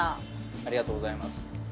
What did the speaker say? ありがとうございます。